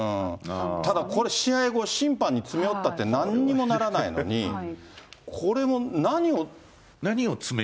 ただ、これ、試合後、審判に詰め寄ったって、なんにもならないのに、これも何を。